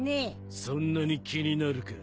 そんなに気になるか？